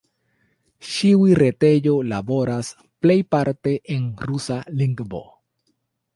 Ĉiu retejo laboras plejparte en rusa lingvo.